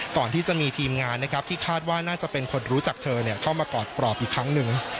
ก่อนที่จะมีทีมงานนะครับที่คาดว่าน่าจะเป็นคนรู้จักเธอเข้ามากอดปลอบอีกครั้งหนึ่ง